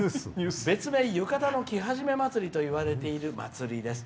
別名浴衣の着はじめ祭りとといわれている祭りです。